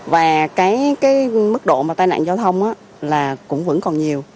và cái mức độ mà tai nạn giao thông là cũng vẫn còn nhiều